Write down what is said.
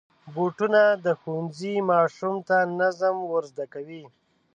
بوټونه د ښوونځي ماشوم ته نظم ور زده کوي.